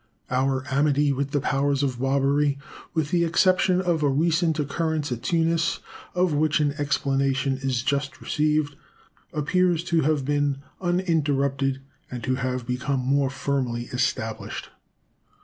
Our amity with the powers of Barbary, with the exception of a recent occurrence at Tunis, of which an explanation is just received, appears to have been uninterrupted and to have become more firmly established.